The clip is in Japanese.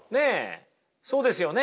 そうですよね？